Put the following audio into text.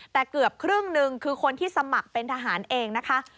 แต่เกือบครึ่งหนึ่งคือคนที่สมัครเป็นทหารเองนะคะ